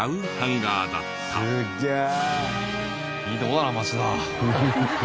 いいとこだな町田。